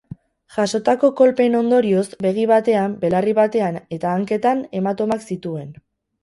Jasotako kolpeen ondorioz, begi batean, belarri batean eta hanketan hematomak zituen.